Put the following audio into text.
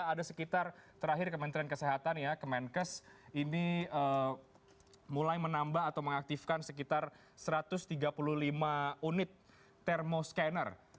ada sekitar terakhir kementerian kesehatan ya kemenkes ini mulai menambah atau mengaktifkan sekitar satu ratus tiga puluh lima unit thermo scanner